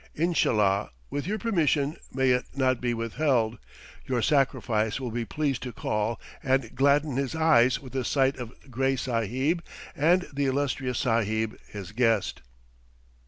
Inshallah, with your permission may it not be withheld your sacrifice will be pleased to call and gladden his eyes with a sight of Gray Sahib and the illustrious Sahib his guest."